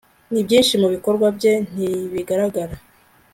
n'ibyinshi mu bikorwa bye ntibigaragara